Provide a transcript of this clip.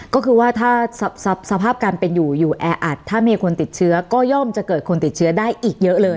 ก็คือว่าถ้าสภาพการเป็นอยู่อยู่แออัดถ้ามีคนติดเชื้อก็ย่อมจะเกิดคนติดเชื้อได้อีกเยอะเลย